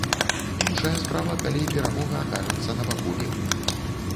Іншая справа, калі перамога акажацца на баку левых.